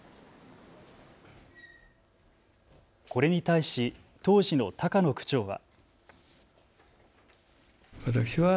これに対し、当時の高野区長は。